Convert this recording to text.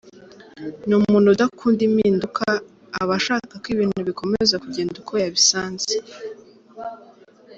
Ni umuntu udakunda impinduka, aba ashaka ko ibintu bikomeza kugenda uko yabisanze.